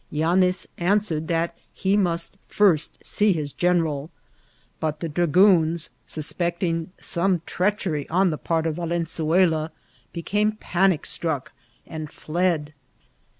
Yanea answered that he must first see his general ; but the dragoons, suspecting some treachery 4Hi the part of Valenzuela, became panic^struck, and fled.